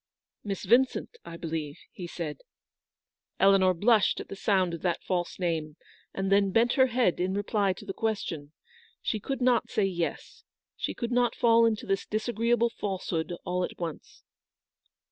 " Miss Vincent, I believe ?" he said. Eleanor blushed at the sound of that false name, and then bent her head in reply to the question. She could not say yes. She could not fall into this disagreeable falsehood all at once.